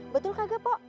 betul kagak pok